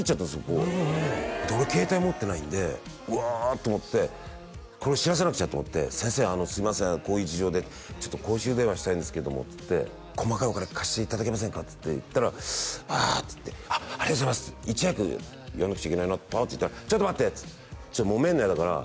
こうで俺携帯持ってないんでうわと思ってこれ知らせなくちゃと思って「先生すいませんこういう事情でちょっと」「公衆電話したいんですけども」っつって「細かいお金貸していただけませんか？」っつって言ったら「あ」っつって「ありがとうございます」いち早く言わなくちゃいけないなパーッと行ったら「ちょっと待って」って「ちょっともめんの嫌だから」